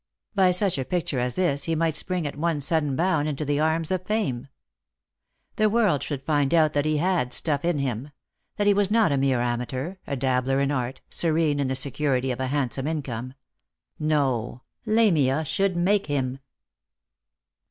By such a picture as this he might spring at one sudden bound into the arms of Fame. The world should find out that he had stuff in him — that he was not a mere amateur, a dabbler in art, serene in the security of a handsome income* No, Lamia should make him.